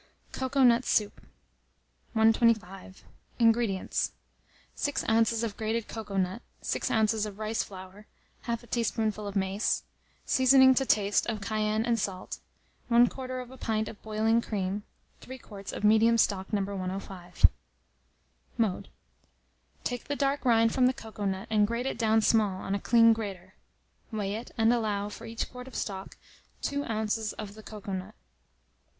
COCOA NUT SOUP. 125. INGREDIENTS. 6 oz. of grated cocoa nut, 6 oz. of rice flour, 1/2 a teaspoonful of mace; seasoning to taste of cayenne and salt; 1/4 of a pint of boiling cream, 3 quarts of medium stock No. 105. Mode. Take the dark rind from the cocoa nut, and grate it down small on a clean grater; weigh it, and allow, for each quart of stock, 2 oz. of the cocoa nut.